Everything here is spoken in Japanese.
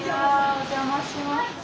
お邪魔します。